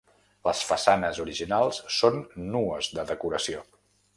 Les façanes originals són nues de decoració.